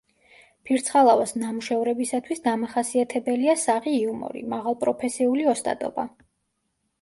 ფირცხალავას ნამუშევრებისათვის დამახასიათებელია საღი იუმორი, მაღალპროფესიული ოსტატობა.